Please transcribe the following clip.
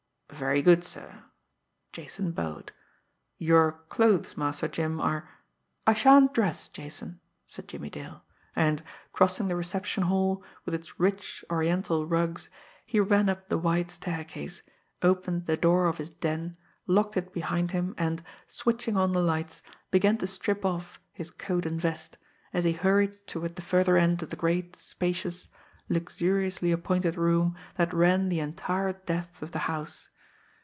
"Very good, sir," Jason bowed. "Your clothes, Master Jim, are " "I shan't dress, Jason," said Jimmie Dale and, crossing the reception hall, with its rich, oriental rugs, he ran up the wide staircase, opened the door of his "den," locked it behind him, and, switching on the lights, began to strip off his coat and vest, as he hurried toward the further end of the great, spacious, luxuriously appointed room that ran the entire depth of the house.